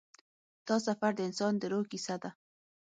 دا سفر د انسان د روح کیسه ده.